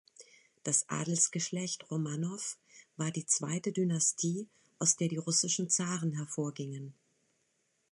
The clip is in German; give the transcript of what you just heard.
Das Adelsgeschlecht Romanow war die zweite Dynastie, aus der die russischen Zaren hervorgingen.